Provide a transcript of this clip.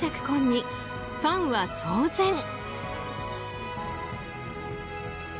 婚にファンは騒然。